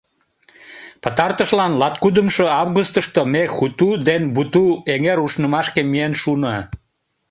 Пытартышлан латкудымшо августышто ме Хуту ден Буту эҥер ушнымашке миен шуна.